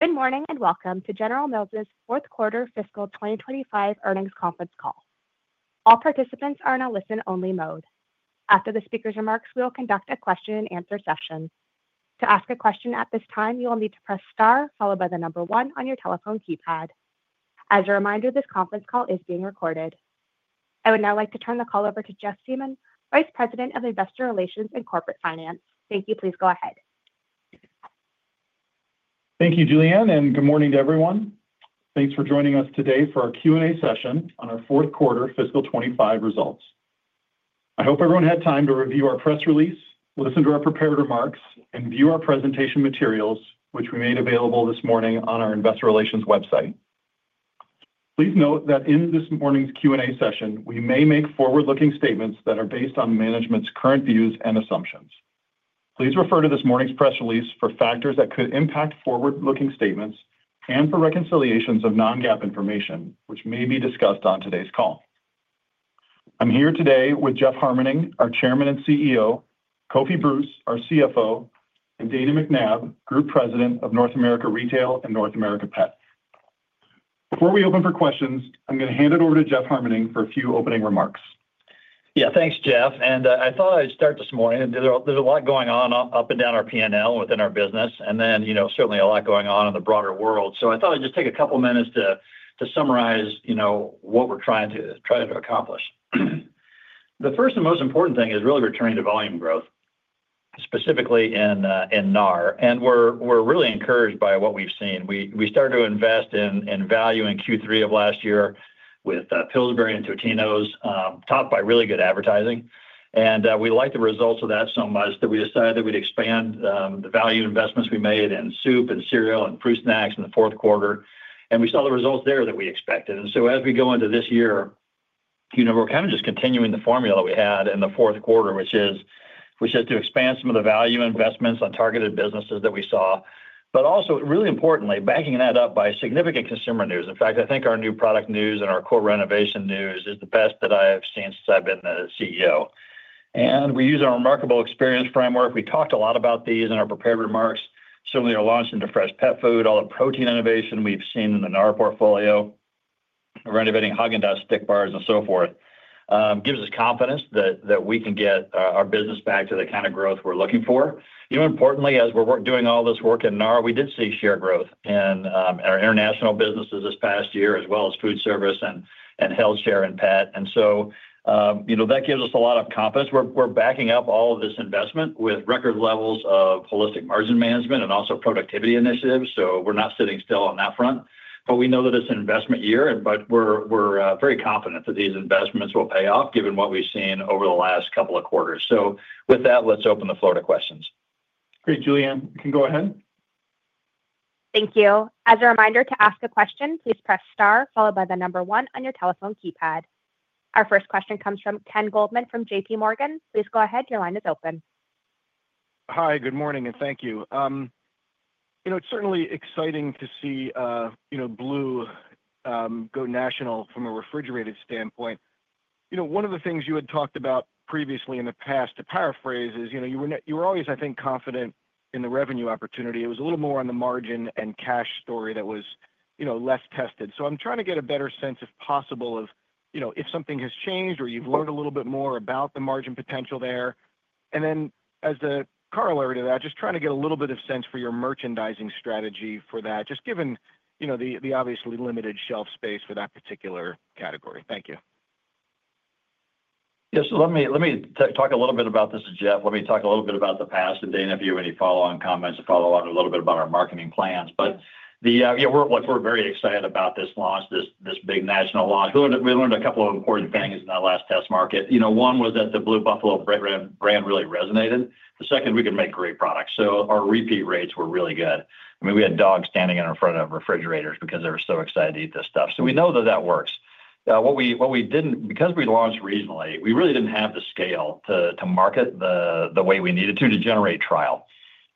Good morning and welcome to General Mills' fourth quarter fiscal 2025 earnings conference call. All participants are in a listen-only mode. After the speaker's remarks, we will conduct a question-and-answer session. To ask a question at this time, you will need to press star followed by the number one on your telephone keypad. As a reminder, this conference call is being recorded. I would now like to turn the call over to Jeff Siemon, Vice President of Investor Relations and Corporate Finance. Thank you. Please go ahead. Thank you, Julianne, and good morning to everyone. Thanks for joining us today for our Q&A session on our fourth quarter fiscal 2025 results. I hope everyone had time to review our press release, listen to our prepared remarks, and view our presentation materials, which we made available this morning on our Investor Relations website. Please note that in this morning's Q&A session, we may make forward-looking statements that are based on management's current views and assumptions. Please refer to this morning's press release for factors that could impact forward-looking statements and for reconciliations of non-GAAP information, which may be discussed on today's call. I'm here today with Jeff Harmening, our Chairman and CEO, Kofi Bruce, our CFO, and Dana McNabb, Group President of North America Retail and North America Pet. Before we open for questions, I'm going to hand it over to Jeff Harmening for a few opening remarks. Yeah, thanks, Jeff. I thought I'd start this morning. There's a lot going on up and down our P&L within our business, and certainly a lot going on in the broader world. I thought I'd just take a couple of minutes to summarize what we're trying to accomplish. The first and most important thing is really returning to volume growth, specifically in NAR. We're really encouraged by what we've seen. We started to invest in value in Q3 of last year with Pillsbury and Totino's, topped by really good advertising. We liked the results of that so much that we decided that we'd expand the value investments we made in soup and cereal and fruit snacks in the fourth quarter. We saw the results there that we expected. As we go into this year, we're kind of just continuing the formula that we had in the fourth quarter, which is to expand some of the value investments on targeted businesses that we saw, but also, really importantly, backing that up by significant consumer news. In fact, I think our new product news and our core renovation news is the best that I have seen since I've been the CEO. We use our remarkable experience framework. We talked a lot about these in our prepared remarks. Certainly, our launch into fresh pet food, all the protein innovation we've seen in the NAR portfolio, renovating Häagen-Dazs stick bars and so forth, gives us confidence that we can get our business back to the kind of growth we're looking for. Importantly, as we're doing all this work in NAR, we did see share growth in our international businesses this past year, as well as food service and healthcare and pet. That gives us a lot of confidence. We're backing up all of this investment with record levels of holistic margin management and also productivity initiatives. We're not sitting still on that front. We know that it's an investment year, but we're very confident that these investments will pay off given what we've seen over the last couple of quarters. With that, let's open the floor to questions. Great. Julianne, you can go ahead. Thank you. As a reminder, to ask a question, please press star followed by the number one on your telephone keypad. Our first question comes from Ken Goldman from JPMorgan. Please go ahead. Your line is open. Hi, good morning, and thank you. It's certainly exciting to see Blue go national from a refrigerated standpoint. One of the things you had talked about previously in the past, to paraphrase, is you were always, I think, confident in the revenue opportunity. It was a little more on the margin and cash story that was less tested. I'm trying to get a better sense, if possible, of if something has changed or you've learned a little bit more about the margin potential there. As a corollary to that, just trying to get a little bit of sense for your merchandising strategy for that, just given the obviously limited shelf space for that particular category. Thank you. Yes. Let me talk a little bit about this with Jeff. Let me talk a little bit about the past and Dana, if you have any follow-on comments to follow on a little bit about our marketing plans. Yeah, we're very excited about this launch, this big national launch. We learned a couple of important things in that last test market. One was that the Blue Buffalo brand really resonated. The second, we can make great products. Our repeat rates were really good. I mean, we had dogs standing in front of refrigerators because they were so excited to eat this stuff. We know that that works. What we did not, because we launched regionally, we really did not have the scale to market the way we needed to to generate trial.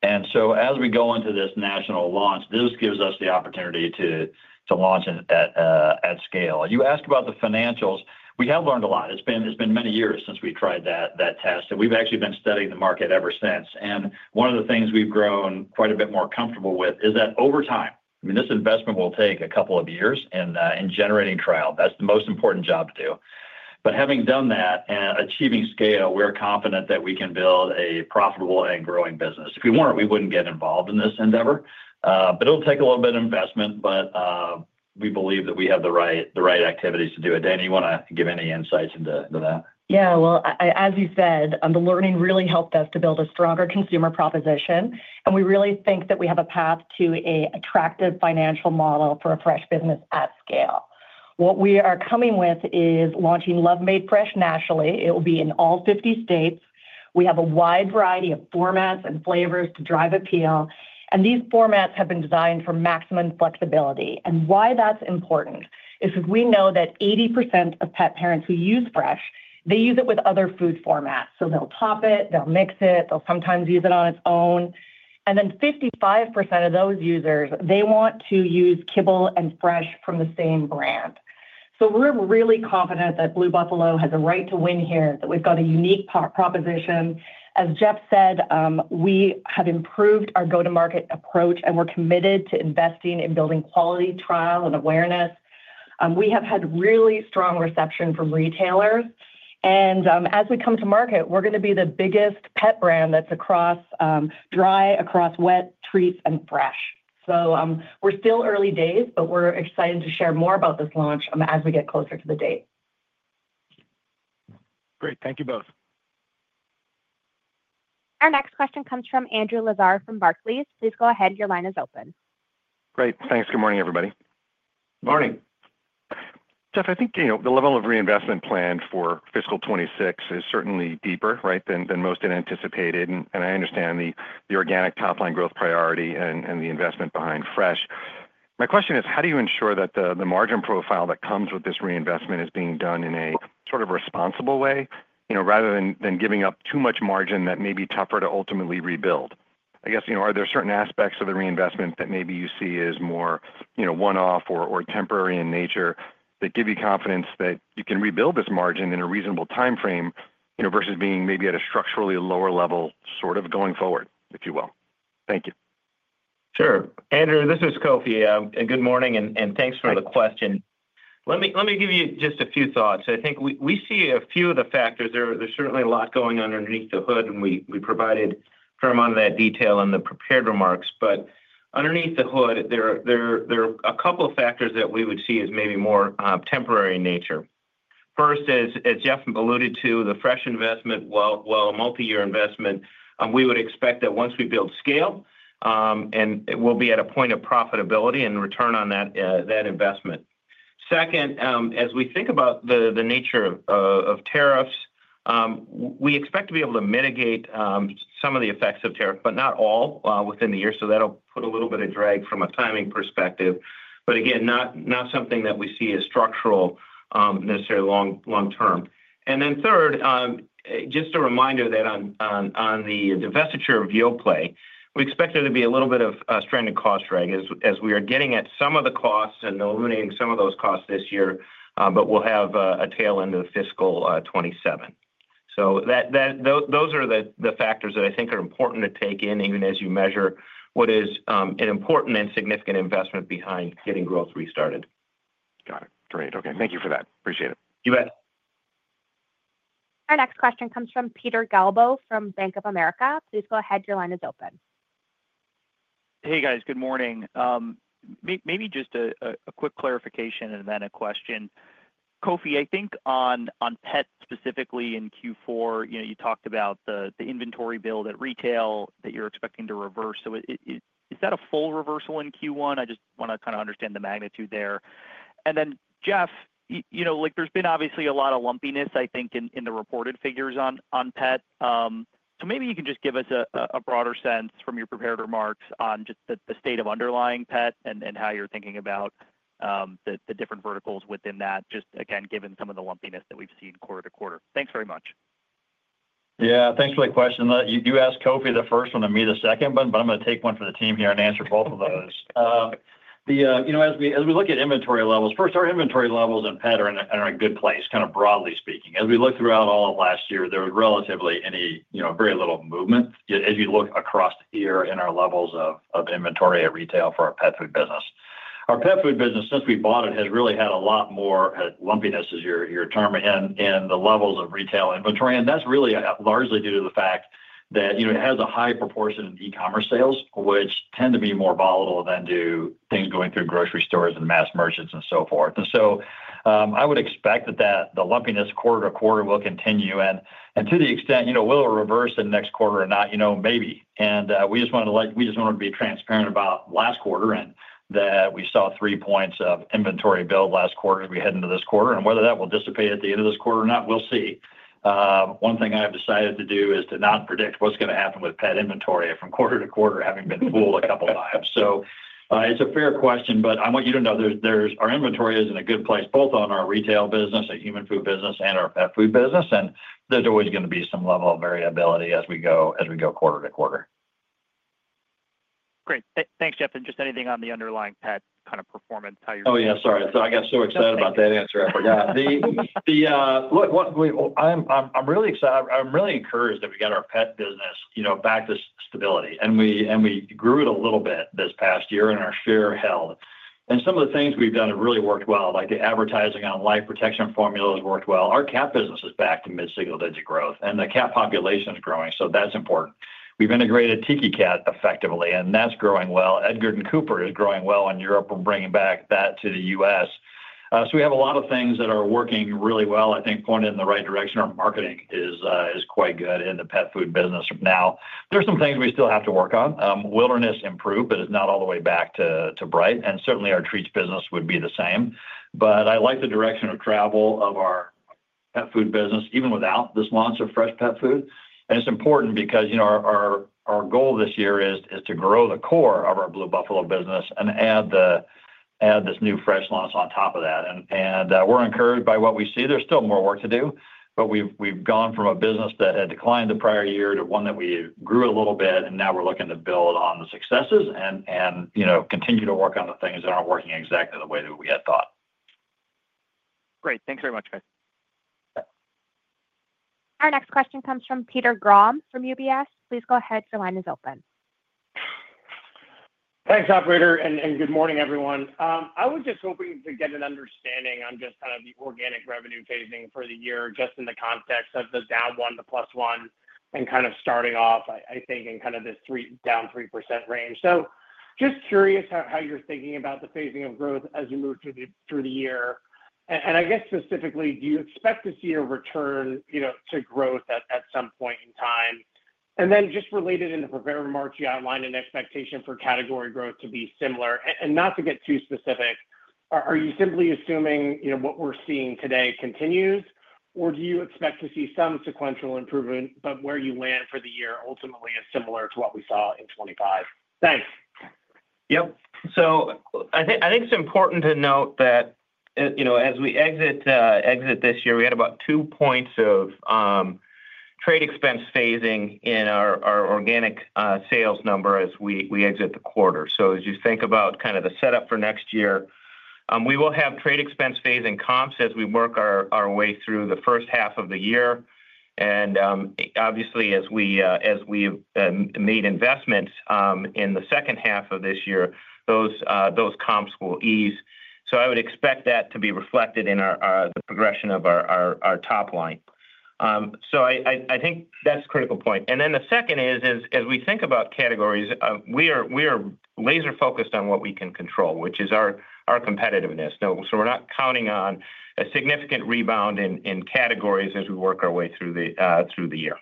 As we go into this national launch, this gives us the opportunity to launch at scale. You ask about the financials. We have learned a lot. It's been many years since we tried that test. We have actually been studying the market ever since. One of the things we've grown quite a bit more comfortable with is that over time, I mean, this investment will take a couple of years in generating trial. That's the most important job to do. Having done that and achieving scale, we're confident that we can build a profitable and growing business. If we weren't, we wouldn't get involved in this endeavor. It'll take a little bit of investment, but we believe that we have the right activities to do it. Dana, you want to give any insights into that? Yeah. As you said, the learning really helped us to build a stronger consumer proposition. We really think that we have a path to an attractive financial model for a fresh business at scale. What we are coming with is launching Love Made Fresh nationally. It will be in all 50 states. We have a wide variety of formats and flavors to drive appeal. These formats have been designed for maximum flexibility. Why that is important is because we know that 80% of pet parents who use fresh use it with other food formats. They will top it, they will mix it, they will sometimes use it on its own. Then 55% of those users want to use kibble and fresh from the same brand. We are really confident that Blue Buffalo has a right to win here, that we have got a unique proposition. As Jeff said, we have improved our go-to-market approach, and we're committed to investing in building quality trial and awareness. We have had really strong reception from retailers. As we come to market, we're going to be the biggest pet brand that's across dry, across wet, treats, and fresh. We are still early days, but we're excited to share more about this launch as we get closer to the date. Great. Thank you both. Our next question comes from Andrew Lazar from Barclays. Please go ahead. Your line is open. Great. Thanks. Good morning, everybody. Morning. Jeff, I think the level of reinvestment planned for fiscal 2026 is certainly deeper than most had anticipated. I understand the organic top-line growth priority and the investment behind fresh. My question is, how do you ensure that the margin profile that comes with this reinvestment is being done in a sort of responsible way, rather than giving up too much margin that may be tougher to ultimately rebuild? I guess, are there certain aspects of the reinvestment that maybe you see as more one-off or temporary in nature that give you confidence that you can rebuild this margin in a reasonable timeframe versus being maybe at a structurally lower level sort of going forward, if you will? Thank you. Sure. Andrew, this is Kofi. Good morning, and thanks for the question. Let me give you just a few thoughts. I think we see a few of the factors. There's certainly a lot going on underneath the hood, and we provided a fair amount of that detail in the prepared remarks. Underneath the hood, there are a couple of factors that we would see as maybe more temporary in nature. First, as Jeff alluded to, the fresh investment, while a multi-year investment, we would expect that once we build scale, we'll be at a point of profitability and return on that investment. Second, as we think about the nature of tariffs, we expect to be able to mitigate some of the effects of tariffs, but not all within the year. That will put a little bit of drag from a timing perspective. Again, not something that we see as structural necessarily long-term. Third, just a reminder that on the divestiture of Yoplait, we expect there to be a little bit of stranded cost drag as we are getting at some of the costs and eliminating some of those costs this year, but we will have a tail end of fiscal 2027. Those are the factors that I think are important to take in, even as you measure what is an important and significant investment behind getting growth restarted. Got it. Great. Okay. Thank you for that. Appreciate it. You bet. Our next question comes from Peter Galbo from Bank of America. Please go ahead. Your line is open. Hey, guys. Good morning. Maybe just a quick clarification and then a question. Kofi, I think on pet specifically in Q4, you talked about the inventory build at retail that you're expecting to reverse. Is that a full reversal in Q1? I just want to kind of understand the magnitude there. Jeff, there's been obviously a lot of lumpiness, I think, in the reported figures on pet. Maybe you can just give us a broader sense from your prepared remarks on just the state of underlying pet and how you're thinking about the different verticals within that, just again, given some of the lumpiness that we've seen quarter to quarter. Thanks very much. Yeah. Thanks for the question. You asked Kofi the first one and me the second one, but I'm going to take one for the team here and answer both of those. As we look at inventory levels, first, our inventory levels in pet are in a good place, kind of broadly speaking. As we looked throughout all of last year, there was relatively very little movement as you look across the year in our levels of inventory at retail for our pet food business. Our pet food business, since we bought it, has really had a lot more lumpiness, as you're terming, in the levels of retail inventory. That's really largely due to the fact that it has a high proportion in e-commerce sales, which tend to be more volatile than do things going through grocery stores and mass merchants and so forth. I would expect that the lumpiness quarter to quarter will continue. To the extent, will it reverse in the next quarter or not? Maybe. We just wanted to be transparent about last quarter and that we saw three points of inventory build last quarter as we head into this quarter. Whether that will dissipate at the end of this quarter or not, we'll see. One thing I have decided to do is to not predict what's going to happen with pet inventory from quarter to quarter, having been fooled a couple of times. It is a fair question, but I want you to know our inventory is in a good place, both on our retail business, our human food business, and our pet food business. There is always going to be some level of variability as we go quarter to quarter. Great. Thanks, Jeff. Anything on the underlying pet kind of performance, how you're doing? Oh, yeah. Sorry. I got so excited about that answer. I forgot. Look, I'm really encouraged that we got our pet business back to stability. And we grew it a little bit this past year in our share held. And some of the things we've done have really worked well. The advertising on Life Protection Formula has worked well. Our cat business is back to mid-single digit growth. And the cat population is growing, so that's important. We've integrated Tiki Cat effectively, and that's growing well. Edgard & Cooper is growing well in Europe and bringing back that to the U.S. So we have a lot of things that are working really well. I think pointed in the right direction. Our marketing is quite good in the pet food business now. There are some things we still have to work on. Wilderness improved, but it is not all the way back to bright. Certainly, our treats business would be the same. I like the direction of travel of our pet food business, even without this launch of fresh pet food. It is important because our goal this year is to grow the core of our Blue Buffalo business and add this new fresh launch on top of that. We are encouraged by what we see. There is still more work to do, but we have gone from a business that had declined the prior year to one that we grew a little bit, and now we are looking to build on the successes and continue to work on the things that are not working exactly the way that we had thought. Great. Thanks very much, guys. Our next question comes from Peter Graham from UBS. Please go ahead. Your line is open. Thanks, operator. Good morning, everyone. I was just hoping to get an understanding on just kind of the organic revenue phasing for the year, just in the context of the down 1%, the +1%, and kind of starting off, I think, in kind of this down 3% range. Just curious how you're thinking about the phasing of growth as you move through the year. I guess specifically, do you expect to see a return to growth at some point in time? Just related, in the prepared remarks, you outlined an expectation for category growth to be similar. Not to get too specific, are you simply assuming what we're seeing today continues, or do you expect to see some sequential improvement, but where you land for the year ultimately is similar to what we saw in 2025? Thanks. Yep. I think it's important to note that as we exit this year, we had about two points of trade expense phasing in our organic sales number as we exit the quarter. As you think about kind of the setup for next year, we will have trade expense phasing comps as we work our way through the first half of the year. Obviously, as we have made investments in the second half of this year, those comps will ease. I would expect that to be reflected in the progression of our top line. I think that's a critical point. The second is, as we think about categories, we are laser-focused on what we can control, which is our competitiveness. We're not counting on a significant rebound in categories as we work our way through the year.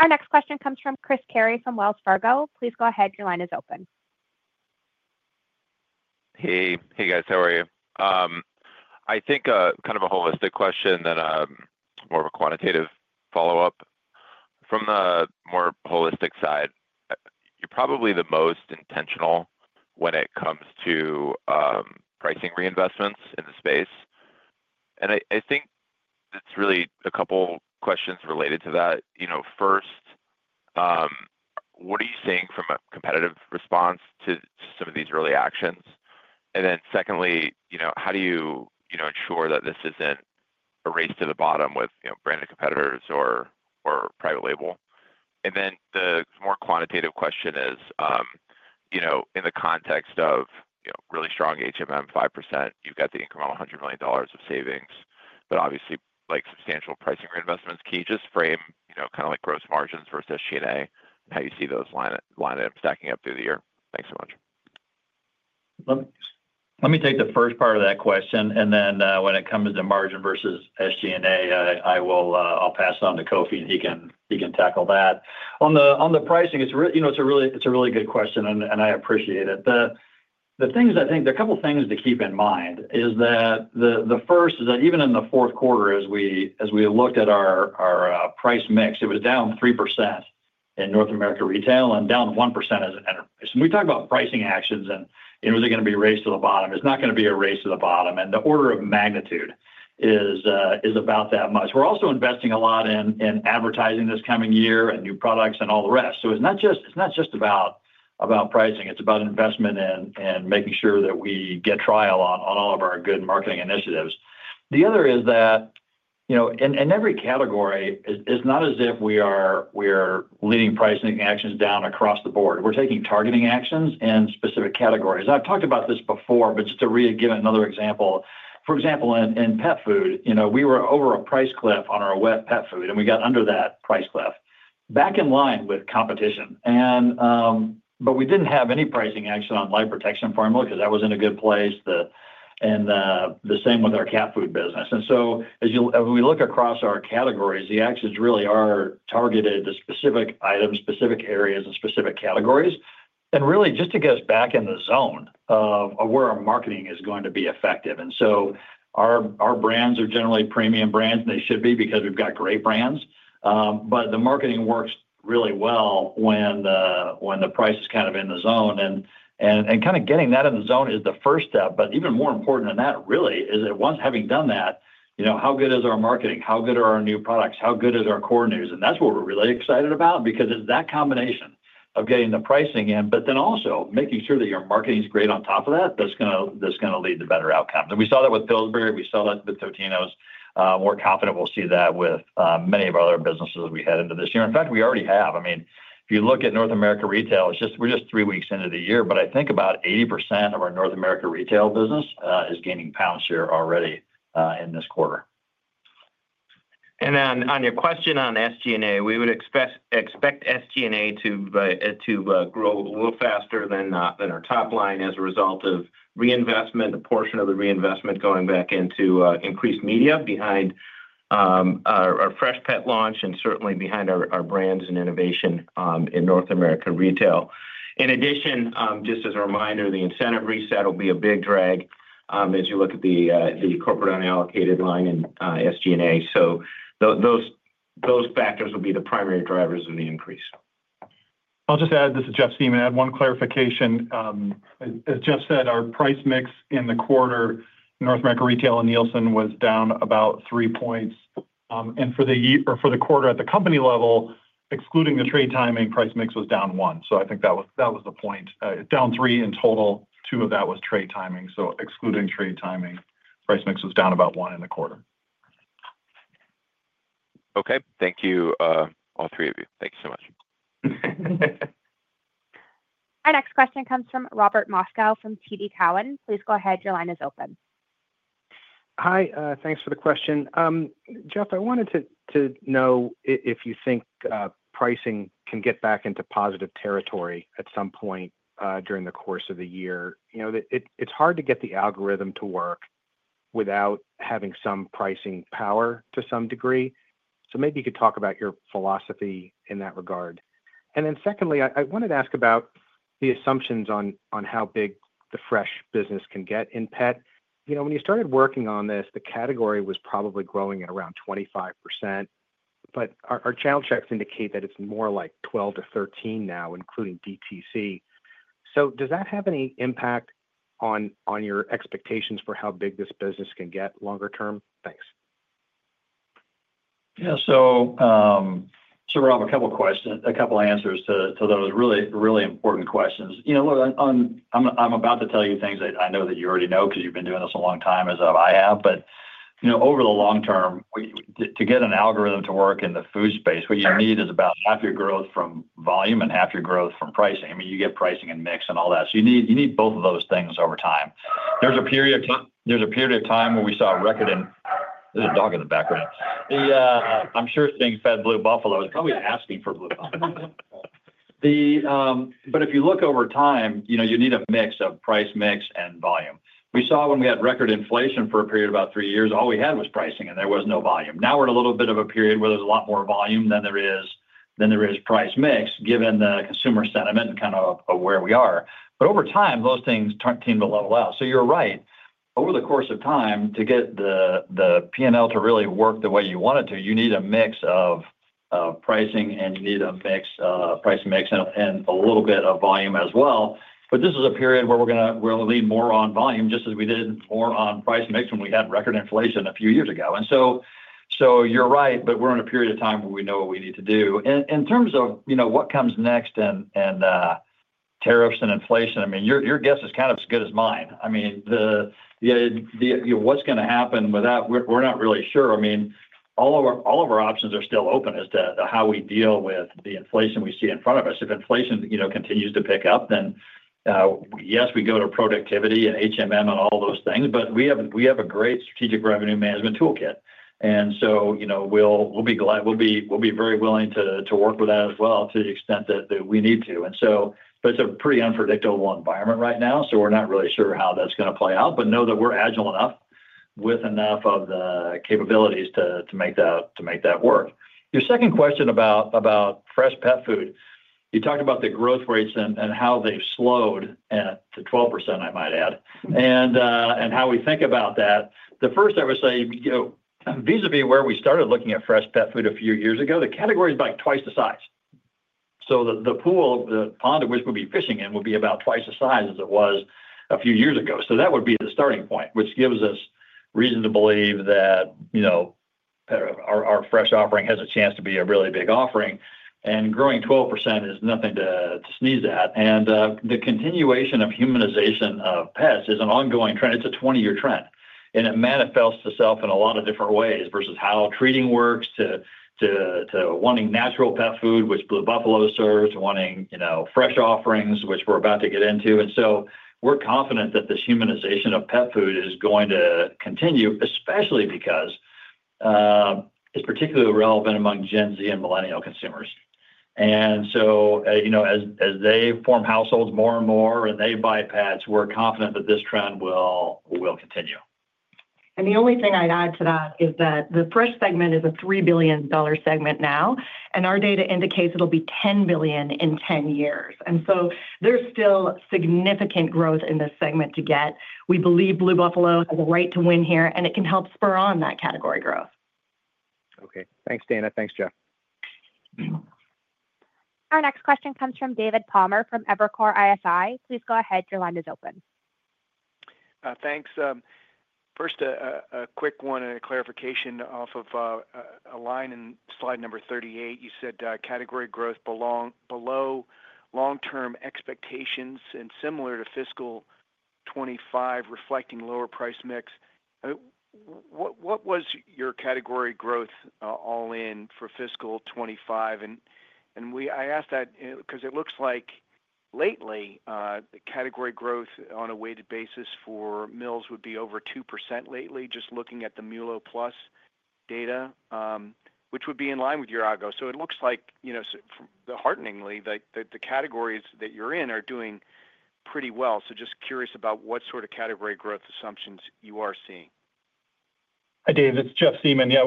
Our next question comes from Chris Carey from Wells Fargo. Please go ahead. Your line is open. Hey, guys. How are you? I think kind of a holistic question and then more of a quantitative follow-up. From the more holistic side, you're probably the most intentional when it comes to pricing reinvestments in the space. I think it's really a couple of questions related to that. First, what are you seeing from a competitive response to some of these early actions? Secondly, how do you ensure that this isn't a race to the bottom with branded competitors or private label? The more quantitative question is, in the context of really strong 5%, you've got the incremental $100 million of savings, but obviously, substantial pricing reinvestments. Can you just frame kind of like gross margins versus SG&A and how you see those lining up, stacking up through the year? Thanks so much. Let me take the first part of that question. Then when it comes to margin versus SG&A, I'll pass it on to Kofi, and he can tackle that. On the pricing, it's a really good question, and I appreciate it. The things I think there are a couple of things to keep in mind is that the first is that even in the fourth quarter, as we looked at our price mix, it was down 3% in North America retail and down 1% as an enterprise. We talk about pricing actions and is it going to be a race to the bottom? It's not going to be a race to the bottom. The order of magnitude is about that much. We're also investing a lot in advertising this coming year and new products and all the rest. It's not just about pricing. It's about investment in making sure that we get trial on all of our good marketing initiatives. The other is that in every category, it's not as if we are leading pricing actions down across the board. We're taking targeting actions in specific categories. I've talked about this before, but just to give another example, for example, in pet food, we were over a price cliff on our wet pet food, and we got under that price cliff back in line with competition. We didn't have any pricing action on Life Protection Formula because that was in a good place, and the same with our cat food business. As we look across our categories, the actions really are targeted to specific items, specific areas, and specific categories. Really, just to get us back in the zone of where our marketing is going to be effective. Our brands are generally premium brands, and they should be because we've got great brands. The marketing works really well when the price is kind of in the zone. Kind of getting that in the zone is the first step. Even more important than that, really, is that once having done that, how good is our marketing? How good are our new products? How good is our core news? That's what we're really excited about because it's that combination of getting the pricing in, but then also making sure that your marketing is great on top of that, that's going to lead to better outcomes. We saw that with Pillsbury. We saw that with Totino’s. We're confident we'll see that with many of our other businesses as we head into this year. In fact, we already have. I mean, if you look at North America Retail, we're just three weeks into the year, but I think about 80% of our North America Retail business is gaining pound share already in this quarter. On your question on SG&A, we would expect SG&A to grow a little faster than our top line as a result of reinvestment, a portion of the reinvestment going back into increased media behind our fresh pet launch and certainly behind our brands and innovation in North America retail. In addition, just as a reminder, the incentive reset will be a big drag as you look at the corporate unallocated line in SG&A. Those factors will be the primary drivers of the increase. I'll just add this to Jeff's team and add one clarification. As Jeff said, our price mix in the quarter, North America Retail and Nielsen, was down about 3%. For the quarter at the company level, excluding the trade timing, price mix was down 1%. I think that was the point. Down 3% in total, 2% of that was trade timing. Excluding trade timing, price mix was down about 1% in the quarter. Okay. Thank you, all three of you. Thank you so much. Our next question comes from Robert Mokcow from TD Cowen. Please go ahead. Your line is open. Hi. Thanks for the question. Jeff, I wanted to know if you think pricing can get back into positive territory at some point during the course of the year. It's hard to get the algorithm to work without having some pricing power to some degree. Maybe you could talk about your philosophy in that regard. Secondly, I wanted to ask about the assumptions on how big the fresh business can get in pet. When you started working on this, the category was probably growing at around 25%, but our channel checks indicate that it's more like 12-13% now, including DTC. Does that have any impact on your expectations for how big this business can get longer term? Thanks. Yeah. We'll have a couple of answers to those really important questions. Look, I'm about to tell you things that I know you already know because you've been doing this a long time, as I have. Over the long term, to get an algorithm to work in the food space, what you need is about half your growth from volume and half your growth from pricing. I mean, you get pricing and mix and all that. You need both of those things over time. There's a period of time where we saw a record in—there's a dog in the background. I'm sure seeing Fed Blue Buffalo is probably asking for Blue Buffalo. If you look over time, you need a mix of price mix and volume. We saw when we had record inflation for a period of about three years, all we had was pricing, and there was no volume. Now we're in a little bit of a period where there's a lot more volume than there is price mix, given the consumer sentiment and kind of where we are. Over time, those things tend to level out. You're right. Over the course of time, to get the P&L to really work the way you want it to, you need a mix of pricing, and you need a price mix and a little bit of volume as well. This is a period where we're going to lean more on volume just as we did more on price mix when we had record inflation a few years ago. You're right, but we're in a period of time where we know what we need to do. In terms of what comes next and tariffs and inflation, I mean, your guess is kind of as good as mine. I mean, what's going to happen with that? We're not really sure. All of our options are still open as to how we deal with the inflation we see in front of us. If inflation continues to pick up, then yes, we go to productivity and all those things, but we have a great strategic revenue management toolkit. We'll be very willing to work with that as well to the extent that we need to. It's a pretty unpredictable environment right now, so we're not really sure how that's going to play out, but know that we're agile enough with enough of the capabilities to make that work. Your second question about fresh pet food, you talked about the growth rates and how they've slowed to 12%, I might add, and how we think about that. The first, I would say, vis-à-vis where we started looking at fresh pet food a few years ago, the category is about twice the size. So the pool, the pond of which we'll be fishing in, will be about twice the size as it was a few years ago. That would be the starting point, which gives us reason to believe that our fresh offering has a chance to be a really big offering. Growing 12% is nothing to sneeze at. The continuation of humanization of pets is an ongoing trend. It is a 20-year trend. It manifests itself in a lot of different ways versus how treating works to wanting natural pet food, which Blue Buffalo serves, to wanting fresh offerings, which we are about to get into. We are confident that this humanization of pet food is going to continue, especially because it is particularly relevant among Gen Z and millennial consumers. As they form households more and more and they buy pets, we are confident that this trend will continue. The only thing I'd add to that is that the fresh segment is a $3 billion segment now. Our data indicates it'll be $10 billion in 10 years. There is still significant growth in this segment to get. We believe Blue Buffalo has a right to win here, and it can help spur on that category growth. Okay. Thanks, Dana. Thanks, Jeff. Our next question comes from David Palmer from Evercore ISI. Please go ahead. Your line is open. Thanks. First, a quick one and a clarification off of a line in slide number 38. You said category growth below long-term expectations and similar to fiscal 2025, reflecting lower price mix. What was your category growth all in for fiscal 2025? And I ask that because it looks like lately, the category growth on a weighted basis for Mills would be over 2% lately, just looking at the MULO+ data, which would be in line with your Algo. It looks like, hearteningly, the categories that you're in are doing pretty well. Just curious about what sort of category growth assumptions you are seeing. Hi, Dave. It's Jeff Siemon. Yeah,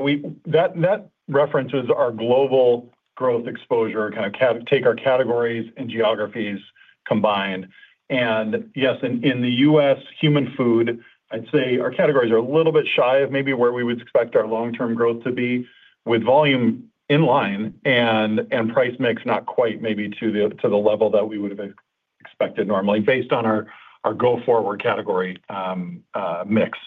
that references our global growth exposure, kind of take our categories and geographies combined. Yes, in the U.S., human food, I'd say our categories are a little bit shy of maybe where we would expect our long-term growth to be with volume in line and price mix not quite maybe to the level that we would have expected normally based on our go-forward category mix.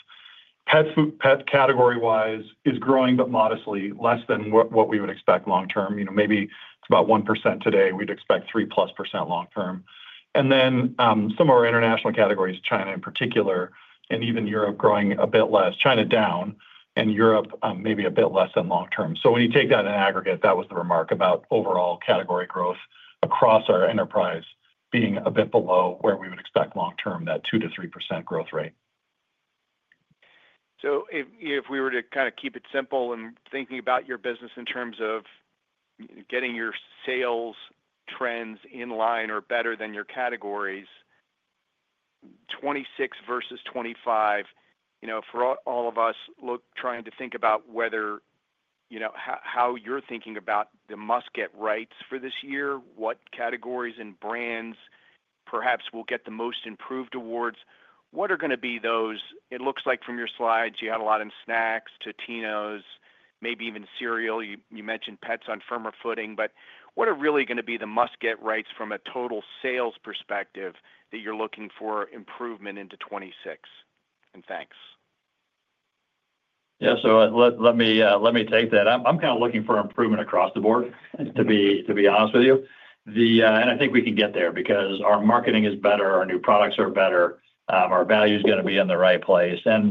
Pet category-wise is growing, but modestly, less than what we would expect long-term. Maybe it's about 1% today. We'd expect 3%+ long-term. Some of our international categories, China in particular, and even Europe growing a bit less. China down and Europe maybe a bit less than long-term. When you take that in aggregate, that was the remark about overall category growth across our enterprise being a bit below where we would expect long-term, that 2% to 3% growth rate. If we were to kind of keep it simple and thinking about your business in terms of getting your sales trends in line or better than your categories, 2026 versus 2025, for all of us trying to think about how you're thinking about the musket rights for this year, what categories and brands perhaps will get the most improved awards, what are going to be those? It looks like from your slides, you had a lot in snacks, Totino’s, maybe even cereal. You mentioned pets on firmer footing. What are really going to be the musket rights from a total sales perspective that you're looking for improvement into 2026? Thanks. Yeah. Let me take that. I'm kind of looking for improvement across the board, to be honest with you. I think we can get there because our marketing is better, our new products are better, our value is going to be in the right place. I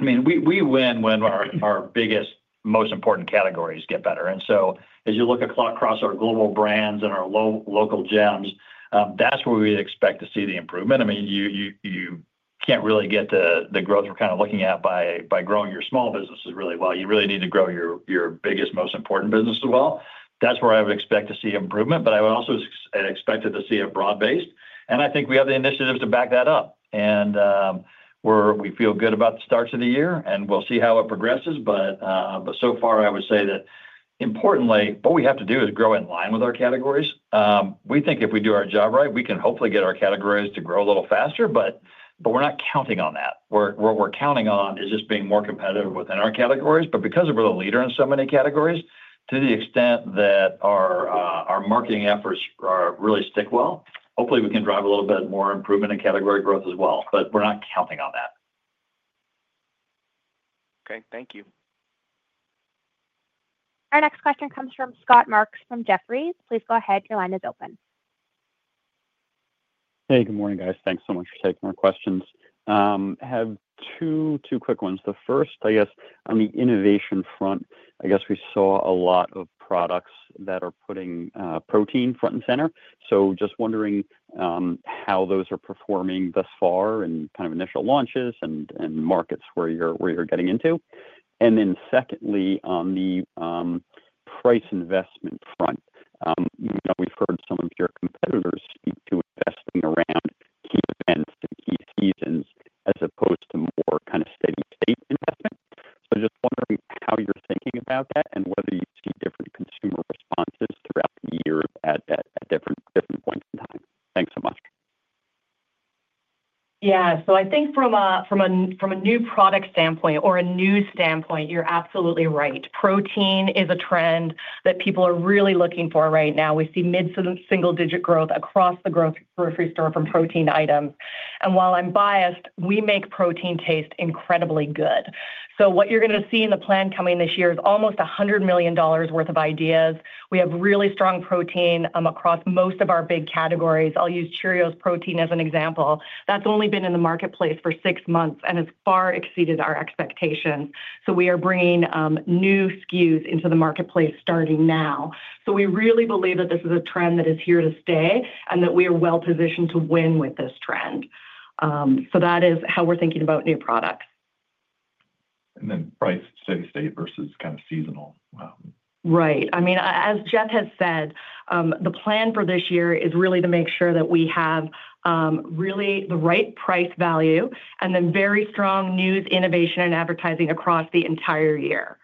mean, we win when our biggest, most important categories get better. As you look across our global brands and our local gems, that's where we expect to see the improvement. I mean, you can't really get the growth we're kind of looking at by growing your small businesses really well. You really need to grow your biggest, most important business as well. That's where I would expect to see improvement, but I would also expect it to see a broad base. I think we have the initiatives to back that up. We feel good about the start to the year, and we'll see how it progresses. Importantly, what we have to do is grow in line with our categories. We think if we do our job right, we can hopefully get our categories to grow a little faster, but we're not counting on that. What we're counting on is just being more competitive within our categories. Because we're the leader in so many categories, to the extent that our marketing efforts really stick well, hopefully we can drive a little bit more improvement in category growth as well. We're not counting on that. Okay. Thank you. Our next question comes from Scott Marks from Jefferies. Please go ahead. Your line is open. Hey, good morning, guys. Thanks so much for taking our questions. I have two quick ones. The first, I guess, on the innovation front, I guess we saw a lot of products that are putting protein front and center. Just wondering how those are performing thus far in kind of initial launches and markets where you're getting into. Secondly, on the price investment front, we've heard some of your competitors speak to investing around key events and key seasons as opposed to more kind of steady state investment. Just wondering how you're thinking about that and whether you see different consumer responses throughout the year at different points in time. Thanks so much. Yeah. I think from a new product standpoint or a news standpoint, you're absolutely right. Protein is a trend that people are really looking for right now. We see mid to single-digit growth across the grocery store from protein items. While I'm biased, we make protein taste incredibly good. What you're going to see in the plan coming this year is almost $100 million worth of ideas. We have really strong protein across most of our big categories. I'll use Cheerios Protein as an example. That's only been in the marketplace for six months and has far exceeded our expectations. We are bringing new SKUs into the marketplace starting now. We really believe that this is a trend that is here to stay and that we are well-positioned to win with this trend. That is how we're thinking about new products. Price, steady state versus kind of seasonal. Right. I mean, as Jeff has said, the plan for this year is really to make sure that we have really the right price value and then very strong news, innovation, and advertising across the entire year.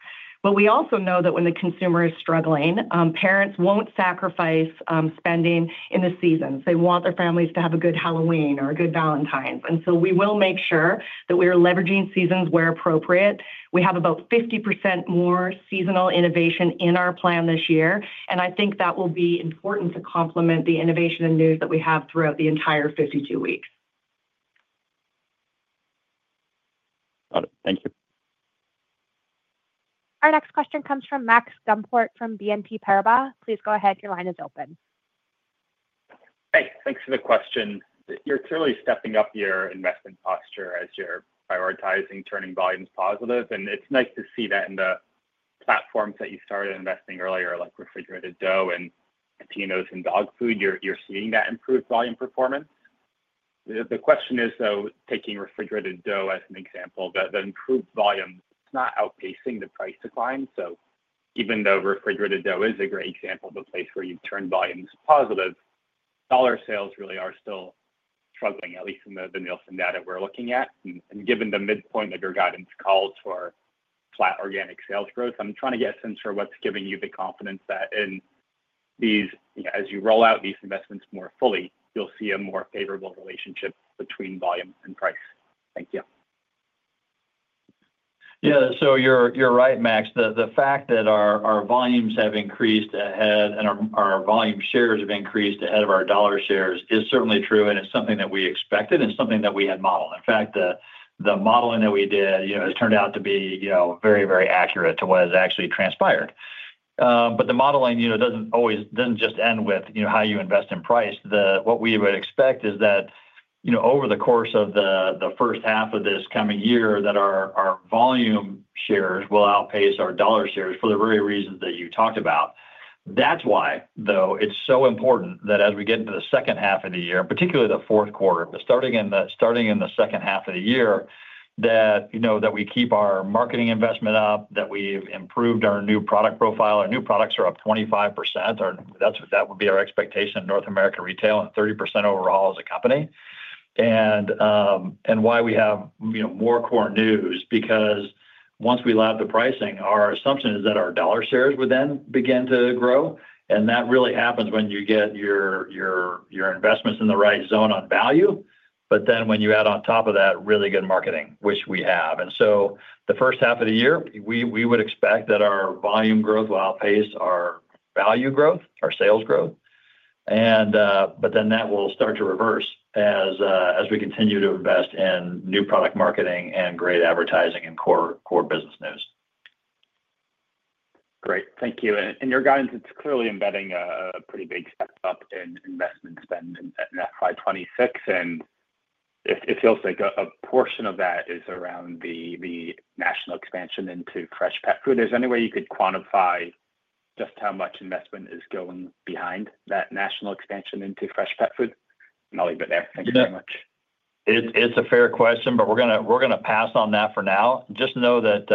We also know that when the consumer is struggling, parents will not sacrifice spending in the seasons. They want their families to have a good Halloween or a good Valentine's. We will make sure that we are leveraging seasons where appropriate. We have about 50% more seasonal innovation in our plan this year. I think that will be important to complement the innovation and news that we have throughout the entire 52 weeks. Got it. Thank you. Our next question comes from Max Gumpert from BNP Paribas. Please go ahead. Your line is open. Hey, thanks for the question. You're clearly stepping up your investment posture as you're prioritizing turning volumes positive. It's nice to see that in the platforms that you started investing earlier, like refrigerated dough and Totino's and dog food, you're seeing that improved volume performance. The question is, though, taking refrigerated dough as an example, that improved volume is not outpacing the price decline. Even though refrigerated dough is a great example of a place where you've turned volumes positive, dollar sales really are still struggling, at least in the Nielsen data we're looking at. Given the midpoint that your guidance calls for flat organic sales growth, I'm trying to get a sense for what's giving you the confidence that as you roll out these investments more fully, you'll see a more favorable relationship between volume and price. Thank you. Yeah. So you're right, Max. The fact that our volumes have increased ahead and our volume shares have increased ahead of our dollar shares is certainly true. It's something that we expected and something that we had modeled. In fact, the modeling that we did has turned out to be very, very accurate to what has actually transpired. The modeling does not just end with how you invest in price. What we would expect is that over the course of the first half of this coming year, our volume shares will outpace our dollar shares for the very reasons that you talked about. That is why, though, it is so important that as we get into the second half of the year, particularly the fourth quarter, starting in the second half of the year, we keep our marketing investment up, that we have improved our new product profile. Our new products are up 25%. That would be our expectation in North America retail and 30% overall as a company. We have more core news because once we lobby the pricing, our assumption is that our dollar shares would then begin to grow. That really happens when you get your investments in the right zone on value. When you add on top of that really good marketing, which we have. The first half of the year, we would expect that our volume growth will outpace our value growth, our sales growth. That will start to reverse as we continue to invest in new product marketing and great advertising and core business news. Great. Thank you. Your guidance, it's clearly embedding a pretty big step up in investment spend in FY 2026. It feels like a portion of that is around the national expansion into fresh pet food. Is there any way you could quantify just how much investment is going behind that national expansion into fresh pet food? I'll leave it there. Thank you very much. It's a fair question, but we're going to pass on that for now. Just know that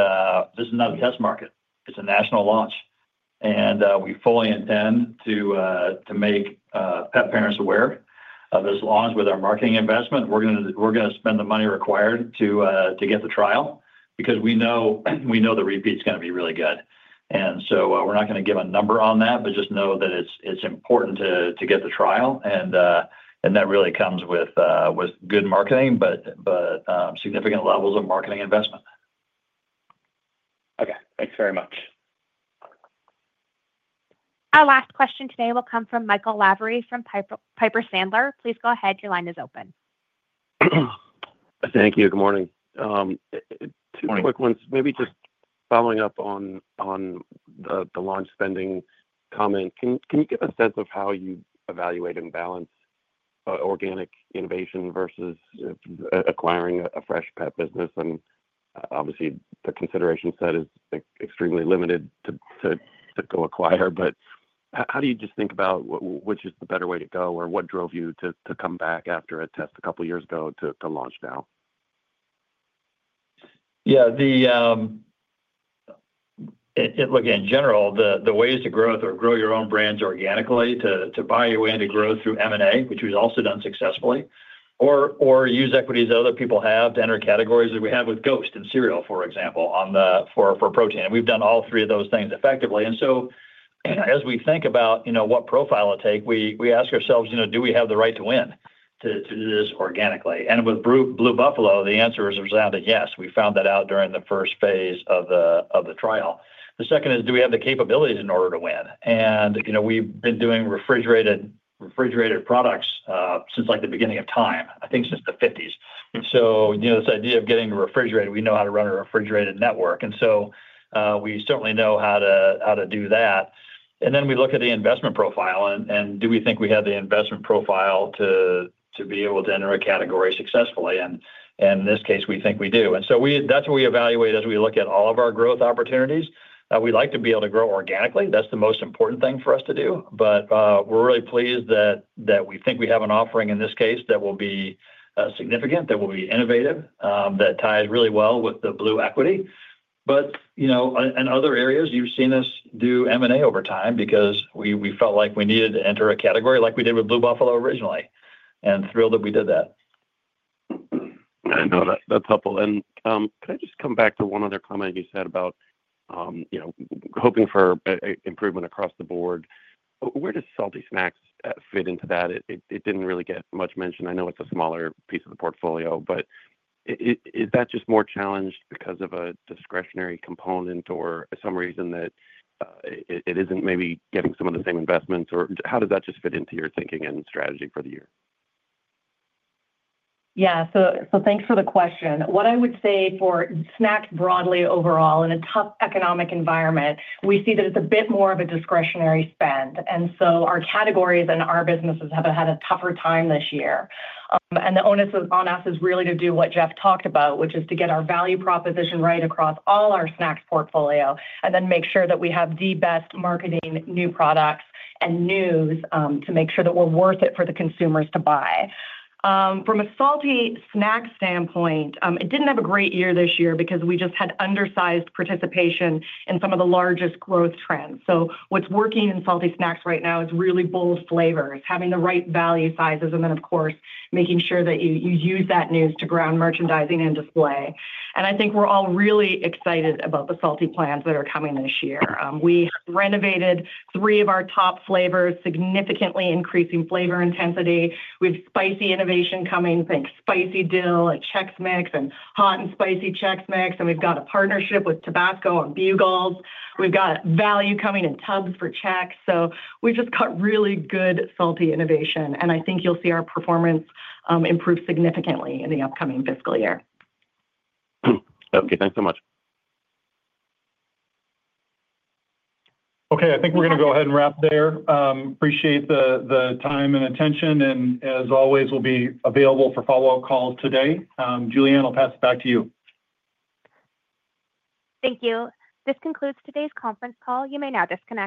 this is not a test market. It's a national launch. We fully intend to make pet parents aware of this launch with our marketing investment. We're going to spend the money required to get the trial because we know the repeat's going to be really good. We're not going to give a number on that, but just know that it's important to get the trial. That really comes with good marketing, but significant levels of marketing investment. Okay. Thanks very much. Our last question today will come from Michael Lavery from Piper Sandler. Please go ahead. Your line is open. Thank you. Good morning. Two quick ones. Maybe just following up on the launch spending comment, can you give a sense of how you evaluate and balance organic innovation versus acquiring a fresh pet business? Obviously, the consideration set is extremely limited to go acquire. How do you just think about which is the better way to go or what drove you to come back after a test a couple of years ago to launch now? Yeah. Look, in general, the ways to grow are grow your own brands organically, to buy in to grow through M&A, which we've also done successfully, or use equities that other people have to enter categories that we have with Ghost and cereal, for example, for protein. We've done all three of those things effectively. As we think about what profile it'll take, we ask ourselves, do we have the right to win to do this organically? With Blue Buffalo, the answer has resulted yes. We found that out during the first phase of the trial. The second is, do we have the capabilities in order to win? We've been doing refrigerated products since the beginning of time, I think since the 1950s. This idea of getting refrigerated, we know how to run a refrigerated network. We certainly know how to do that. Then we look at the investment profile. Do we think we have the investment profile to be able to enter a category successfully? In this case, we think we do. That is what we evaluate as we look at all of our growth opportunities. We'd like to be able to grow organically. That is the most important thing for us to do. We're really pleased that we think we have an offering in this case that will be significant, that will be innovative, that ties really well with the Blue equity. In other areas, you've seen us do M&A over time because we felt like we needed to enter a category like we did with Blue Buffalo originally, and we're thrilled that we did that. I know that's helpful. Can I just come back to one other comment you said about hoping for improvement across the board? Where does Salty Snacks fit into that? It did not really get much mention. I know it is a smaller piece of the portfolio. Is that just more challenged because of a discretionary component or some reason that it is not maybe getting some of the same investments? How does that just fit into your thinking and strategy for the year? Yeah. Thanks for the question. What I would say for snacks broadly overall in a tough economic environment, we see that it's a bit more of a discretionary spend. Our categories and our businesses have had a tougher time this year. The onus on us is really to do what Jeff talked about, which is to get our value proposition right across all our snacks portfolio and then make sure that we have the best marketing, new products, and news to make sure that we're worth it for the consumers to buy. From a Salty Snacks standpoint, it did not have a great year this year because we just had undersized participation in some of the largest growth trends. What's working in Salty Snacks right now is really bold flavors, having the right value sizes, and then, of course, making sure that you use that news to ground merchandising and display. I think we're all really excited about the Salty plans that are coming this year. We renovated three of our top flavors, significantly increasing flavor intensity. We have spicy innovation coming. Think spicy dill and Chex Mix and hot and spicy Chex Mix. We've got a partnership with Tabasco and Bugles. We've got value coming in tubs for Chex. We've just got really good Salty innovation. I think you'll see our performance improve significantly in the upcoming fiscal year. Okay. Thanks so much. Okay. I think we're going to go ahead and wrap there. Appreciate the time and attention. As always, we'll be available for follow-up calls today. Julianne, I'll pass it back to you. Thank you. This concludes today's conference call. You may now disconnect.